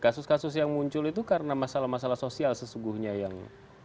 kasus kasus yang muncul itu karena masalah masalah sosial sesungguhnya yang